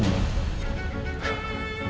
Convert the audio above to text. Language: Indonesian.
saya ingin kamu menyerah nino